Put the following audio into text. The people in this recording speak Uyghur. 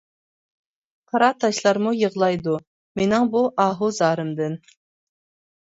قارا تاشلارمۇ يىغلايدۇ، مېنىڭ بۇ ئاھۇ زارىمدىن.